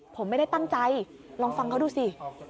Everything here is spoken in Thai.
ผมไม่ได้ตั้งใจลองฟังเขาดูสิ